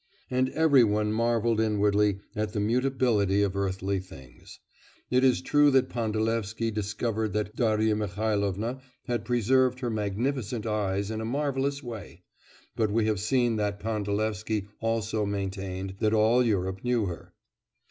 And every one marvelled inwardly at the mutability of earthly things. It is true that Pandalevsky discovered that Darya Mihailovna had preserved her magnificent eyes in a marvellous way; but we have seen that Pandalevsky also maintained that all Europe knew her.